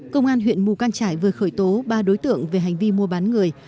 công an huyện mù căng trải vừa khởi tố ba đối tượng về hành vi mua bán người